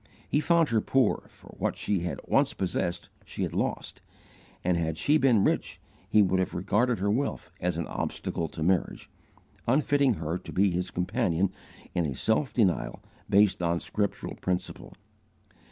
He found her poor, for what she had once possessed she had lost; and had she been rich he would have regarded her wealth as an obstacle to marriage, unfitting her to be his companion in a self denial based on scriptural principle.